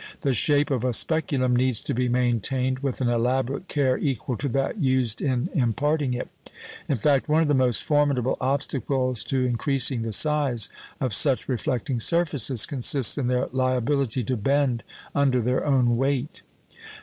The shape of a speculum needs to be maintained with an elaborate care equal to that used in imparting it. In fact, one of the most formidable obstacles to increasing the size of such reflecting surfaces consists in their liability to bend under their own weight.